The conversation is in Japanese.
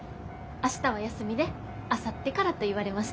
明日は休みであさってからと言われました。